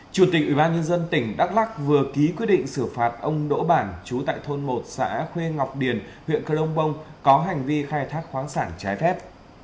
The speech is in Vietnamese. chủ tịch ủy ban nhân dân tỉnh đắk lắc vừa ký quyết định xử phạt ông đỗ bản chú tại thôn một xã khuê ngọc điền huyện cơ long bông có hành vi khai thác khoáng sản trái phép